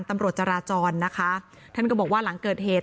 ตำรวจจราจรนะคะท่านก็บอกว่าหลังเกิดเหตุ